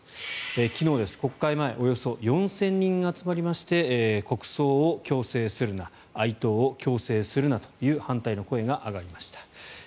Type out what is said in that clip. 昨日、国会前およそ４０００人が集まりまして国葬を強制するな哀悼を強制するなという反対の声が上がりました。